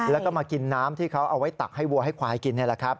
แล้วก็มากินน้ำที่เขาเอาไว้ตักให้วัวให้ควายกินนี่แหละครับ